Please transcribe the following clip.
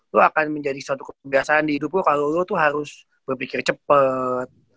lo akan menjadi suatu kebiasaan di hidup lo kalo lo tuh harus berpikir cepet